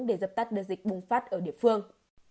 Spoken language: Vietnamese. để dập tắt đưa dịch bùng phát ở địa phương